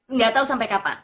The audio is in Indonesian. nggak tahu sampai kapan